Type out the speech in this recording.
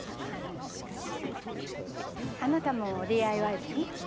あなたもＤＩＹ部に？